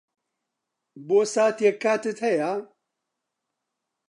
بۆ ساتێک کاتت ھەیە؟